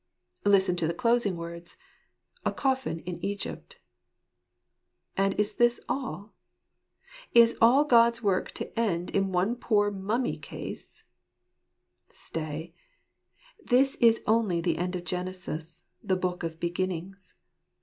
Listen to the closing words, u A coffin in Egypt" And is this all ? Is all God's work to end in one poor mummy case ? Stay. This is only the end of Genesis, the Book of Beginnings.